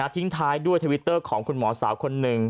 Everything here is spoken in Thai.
ทิ้งท้ายด้วยทวิตเตอร์ของคุณหมอสาวคนหนึ่ง